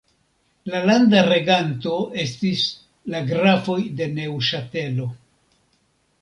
La landa reganto estis la grafoj de Neŭŝatelo.